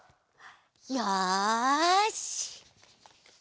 よし！